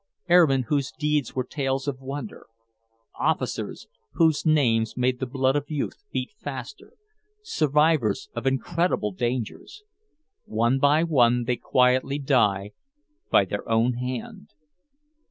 Airmen whose deeds were tales of wonder, officers whose names made the blood of youth beat faster, survivors of incredible dangers, one by one they quietly die by their own hand.